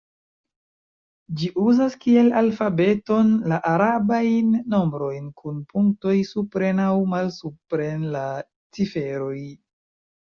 Ĝi uzas kiel alfabeton la arabajn nombrojn kun punktoj supren aŭ malsupren la ciferoj.